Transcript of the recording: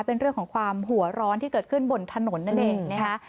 เป็นเรื่องของความหัวร้อนที่เกิดขึ้นบนถนนนั่นเองนะคะ